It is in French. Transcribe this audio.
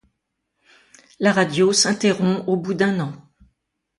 La radio s’interrompt au bout d’un an.